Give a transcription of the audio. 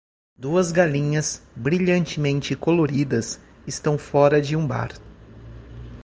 Duas galinhas brilhantemente coloridas estão fora de um bar.